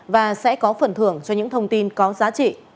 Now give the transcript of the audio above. và sẽ có phần thưởng cho những thông tin có giá trị